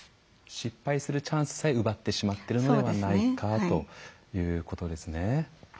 失敗するチャンスさえ奪ってしまってるのではないかということですね。